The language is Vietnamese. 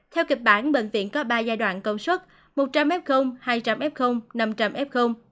theo kịch bản bệnh viện có ba giai đoạn công suất một trăm linh f hai trăm linh f năm trăm linh f